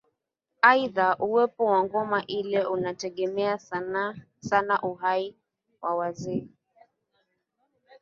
Aidha uwepo wa ngoma ile unategemea sana uhai wa wazee hao